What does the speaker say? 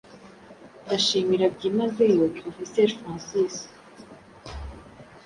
Ndashimira byimazeyo Profeseri Francis